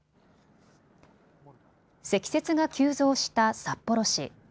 積雪が急増した札幌市。